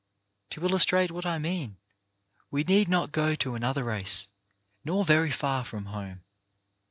To illustrate what I mean, we need not go to another race, nor very far from home.